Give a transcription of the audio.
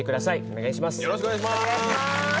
お願いします